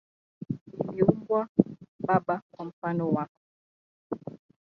Niliumbwa baba kwa mfano wako.